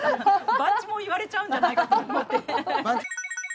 番地も言われちゃうんじゃないかと思って。